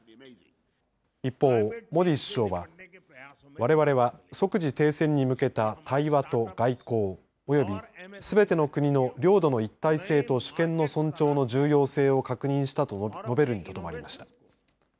一方、モディ首相はわれわれは即時停戦に向けた対話と外交及びすべての国の領土の一体性と主権の尊重の重要性を確認したと述べるにとどまりました。